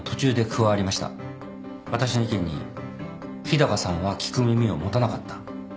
私の意見に日高さんは聞く耳を持たなかった。